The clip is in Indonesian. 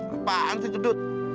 apaan sih gendut